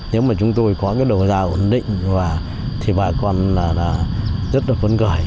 nếu mà chúng tôi có cái đầu gia ổn định và thì bà con là rất là phấn khởi